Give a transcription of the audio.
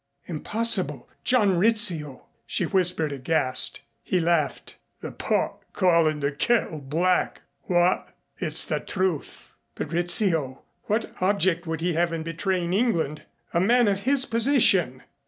"Impossible! John Rizzio " she whispered aghast. He laughed. "The pot callin' the kettle black what? It's the truth." "But Rizzio! What object would he have in betraying England? A man of his position!"